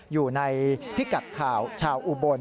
อยู่ในพิกัดข่าวชาวอุบล